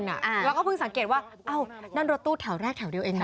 แล้วก็เพิ่งสังเกตว่าอ้าวนั่นรถตู้แถวแรกแถวเดียวเองนะ